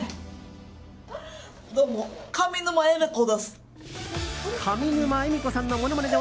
どうも、上沼恵美子です。